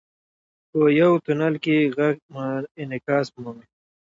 • په یو تونل کې ږغ انعکاس مومي.